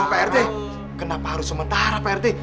pak rete kenapa harus sementara pak rete